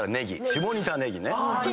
下仁田ネギね。